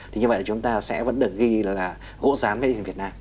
thì như vậy là chúng ta sẽ vẫn được ghi là gỗ rán made in việt nam